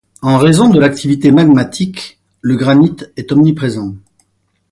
En raison de l'activité magmatique, le granite est omniprésent.